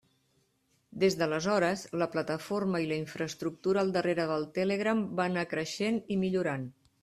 Des d'aleshores, la plataforma i la infraestructura al darrere del Telegram va anar creixent i millorant.